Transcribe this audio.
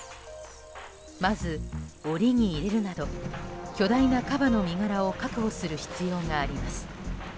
まず、檻に入れるなど巨大なカバの身柄を確保する必要があります。